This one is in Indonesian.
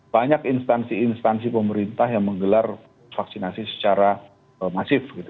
banyak instansi instansi pemerintah yang menggelar vaksinasi secara masif gitu